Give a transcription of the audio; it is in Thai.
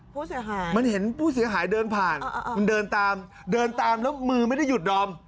ผู้เสียหายมันเห็นผู้เสียหายเดินผ่านมันเดินตามเดินตามแล้วมือไม่ได้หยุดดอม